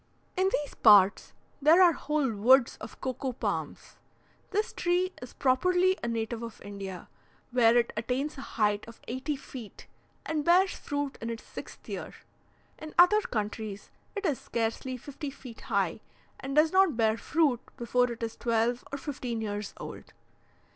In these parts, there are whole woods of cocoa palms. This tree is properly a native of India, where it attains a height of eighty feet, and bears fruit in its sixth year. In other countries, it is scarcely fifty feet high, and does not bear fruit before it is twelve or fifteen years old.